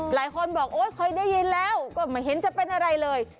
หลายคนบอกโอ๊ยเคยได้ยินแล้วก็ไม่เห็นจะเป็นอะไรเลย